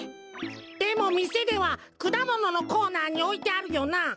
でもみせではくだもののコーナーにおいてあるよな？